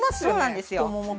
そうなんですよ。